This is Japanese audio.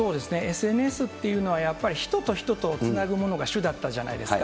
ＳＮＳというのはやっぱり人と人とをつなぐものが主だったじゃないですか。